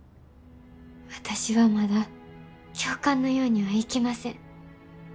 私はまだ教官のようにはいきません。